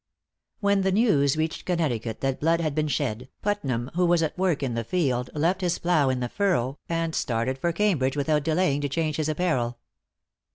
|When the news reached Connecticut that blood had been shed, Putnam, who was at work in the field, left his plow in the furrow, and started for Cambridge without delaying to change his apparel.